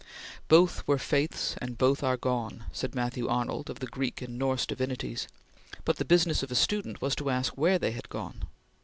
"Both were faiths and both are gone," said Matthew Arnold of the Greek and Norse divinities; but the business of a student was to ask where they had gone.